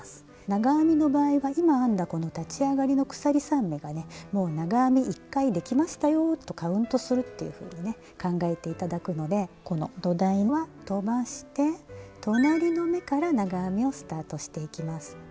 長編みの場合は今編んだこの立ち上がりの鎖３目がね「もう長編み１回できましたよ」とカウントするっていうふうにね考えて頂くのでこの土台は飛ばして「隣の目」から長編みをスタートしていきます。